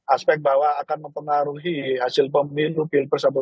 aspek bahwa akan mempengaruhi hasil pemilu pilpres